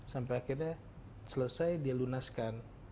sampai akhirnya selesai dilunaskan